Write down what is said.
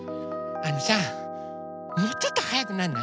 あのさもうちょっとはやくなんない？